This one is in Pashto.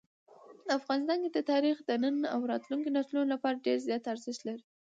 افغانستان کې تاریخ د نن او راتلونکي نسلونو لپاره ډېر زیات ارزښت لري.